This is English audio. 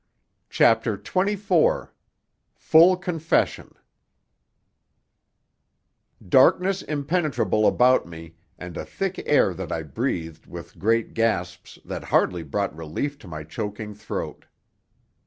CHAPTER XXIV FULL CONFESSION Darkness impenetrable about me, and a thick air that I breathed with great gasps that hardly brought relief to my choking throat.